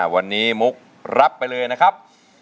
วันนี้มุกรับไปเลยนะครับ